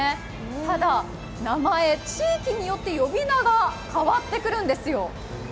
ただ、名前、地域によって呼び名が変わってくるんですよ。